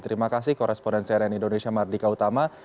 terima kasih korespondensi rn indonesia mardika utama